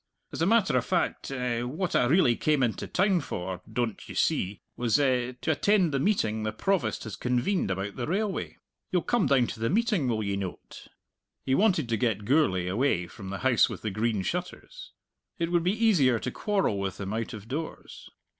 As a matter of fact eh what I really came into the town for, doan't you see, was eh to attend the meeting the Provost has convened about the railway. You'll come down to the meeting, will ye noat?" He wanted to get Gourlay away from the House with the Green Shutters. It would be easier to quarrel with him out of doors.